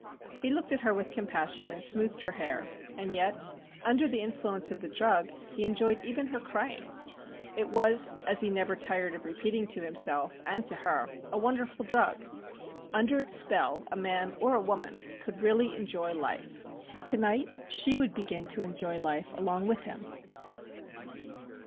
He looked at her with compassion, and smoothed her hair. And yet, under the influence of the drug, he enjoyed even her crying. It was, as he never tired of repeating to himself and to her a wonderful drug. Under its spell, a man or a woman could really enjoy life. Tonight she would begin to enjoy life along with him.